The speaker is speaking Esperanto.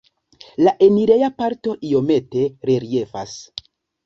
La enireja parto iomete reliefas.